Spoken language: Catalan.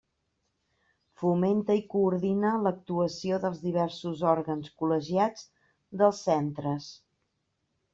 Fomenta i coordina l'actuació dels diversos òrgans col·legiats dels centres.